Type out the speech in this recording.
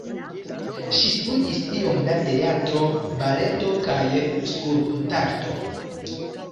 Ŝi studis iom da teatro, baleto kaj skulptarto.